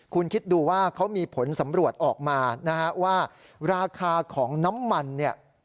คุณคิดดูว่าเขามีผลสำรวจออกมานะฮะว่าราคาของน้ำมันเนี่ย